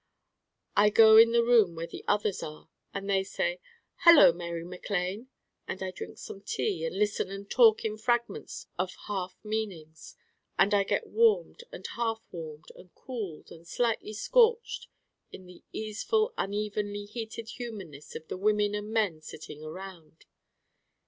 I go in the room where the others are and they say, 'Hello Mary Mac Lane,' and I drink some tea and listen and talk in fragments of half meanings. And I get warmed and half warmed and cooled and slightly scorched in the easeful unevenly heated humanness of the women and men sitting around.